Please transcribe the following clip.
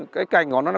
cái cành của nó